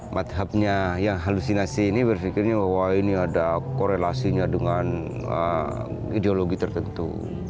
madhabnya yang halusinasi ini berpikirnya wah ini ada korelasinya dengan ideologi tertentu